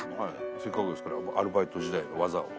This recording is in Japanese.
せっかくですからアルバイト時代の技を。